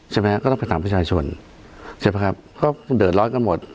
ใช่ไหมก็ต้องมาผ่านจากประชาชนเขาถูกเดินร้อยกันหมด